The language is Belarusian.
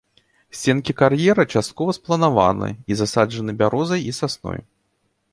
Сценкі кар'ера часткова спланаваны і засаджаны бярозай і сасной.